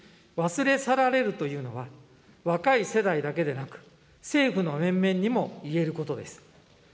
忘れ去られるというのは、若い世代だけでなく、政府の面々にも言えることです。